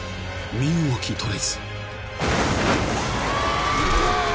［身動き取れず］